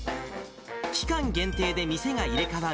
期間限定で店が入れ代わる